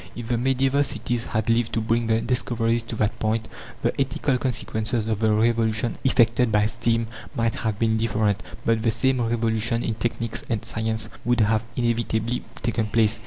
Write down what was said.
If the medieval cities had lived to bring their discoveries to that point, the ethical consequences of the revolution effected by steam might have been different; but the same revolution in technics and science would have inevitably taken place.